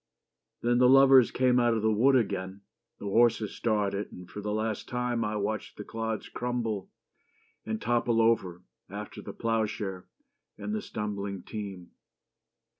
Then The lovers came out of the wood again: The horses started and for the last time I watched the clods crumble and topple over After the ploughshare and the stumbling team.